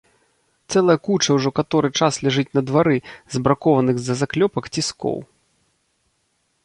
Цэлая куча ўжо каторы час ляжыць на двары збракованых з-за заклёпак ціскоў!